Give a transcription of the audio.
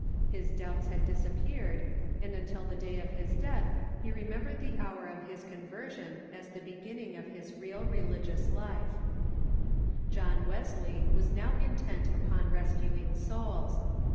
His doubts had disap peared, and until the day of his death he remembered the hour of his conversion as the beginning of his real religious life. WESLEY AND METHODISM 349 John Wesley was now intent upon rescuing souls.